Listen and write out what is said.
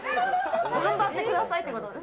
頑張ってくださいってことです。